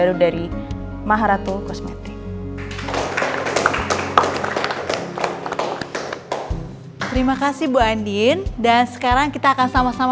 aduh dari maharatu kosmetik terima kasih bu andin dan sekarang kita akan sama sama